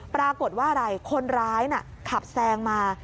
ปรากฏว่าอะไรคนร้ายน่ะขับแซงมา